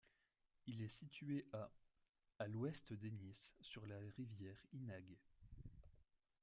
Il est situé à à l'ouest d'Ennis sur la rivière Inagh.